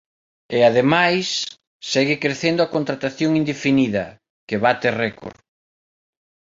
E, ademais, segue crecendo a contratación indefinida, que bate récord.